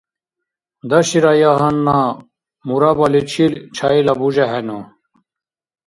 Даширая гьанна мураббаличил чайла бужехӀену.